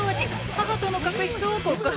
母との確執を告白？